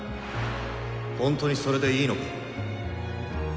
本当にそれでいいのか？